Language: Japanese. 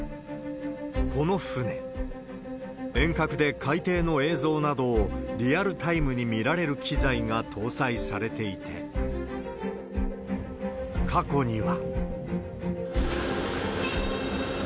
この船、遠隔で海底の映像などをリアルタイムに見られる機材が搭載されていて、過去には。